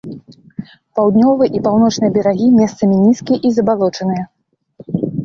Паўднёвыя і паўночныя берагі месцамі нізкія і забалочаныя.